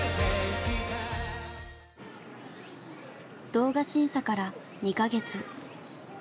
動画審査から２か月。